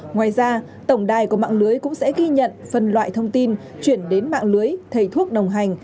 ngoài ra tổng đài của mạng lưới cũng sẽ ghi nhận phân loại thông tin chuyển đến mạng lưới thầy thuốc đồng hành